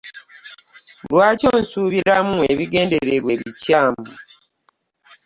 Lwaki onsuubiramu ebigendererwa ebikyaamu?